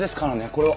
これは。